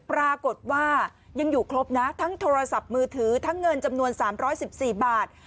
ปรากฏว่ายังอยู่ครบนะทั้งโทรศัพท์มือถือทั้งเงินจำนวน๓๑๔บาท